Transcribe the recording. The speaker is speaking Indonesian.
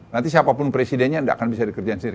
nanti siapapun presidennya enggak akan bisa dikerjakan sendiri